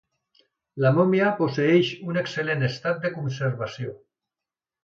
La mòmia posseeix un excel·lent estat de conservació.